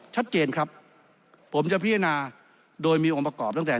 ชัดเจนครับผมจะพิจารณาโดยมีองค์ประกอบตั้งแต่